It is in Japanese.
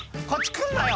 来んなよ」